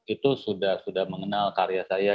itu sudah mengenal karya saya